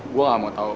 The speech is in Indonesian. gue gak mau tau